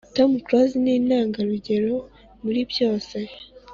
Tom clouse nintangarugero muribyose